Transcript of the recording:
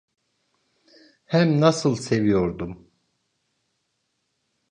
Hem nasıl seviyordum…